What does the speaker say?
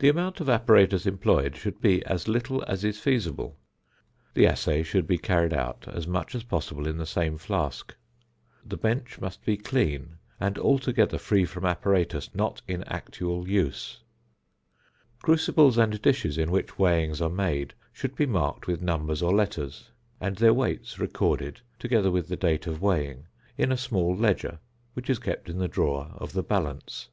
The amount of apparatus employed should be as little as is feasible. The assay should be carried out as much as possible in the same flask. The bench must be clean, and altogether free from apparatus not in actual use. Crucibles and dishes in which weighings are made should be marked with numbers or letters; and their weights recorded, together with the date of weighing, in a small ledger, which is kept in the drawer of the balance.